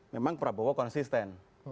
memang prabowo konsisten